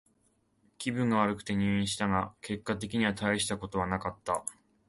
気分が悪くて入院したが、結果的にはたいしたことはなかった。